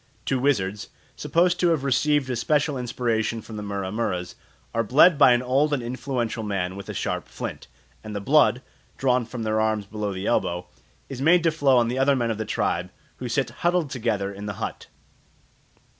Two wizards, supposed to have received a special inspiration from the Mura muras, are bled by an old and influential man with a sharp flint; and the blood, drawn from their arms below the elbow, is made to flow on the other men of the tribe, who sit huddled together in the hut.